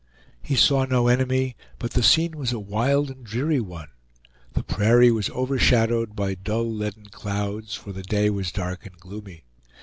He saw no enemy, but the scene was a wild and dreary one; the prairie was overshadowed by dull, leaden clouds, for the day was dark and gloomy.